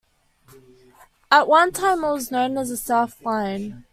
At one time it was known as South Lynne.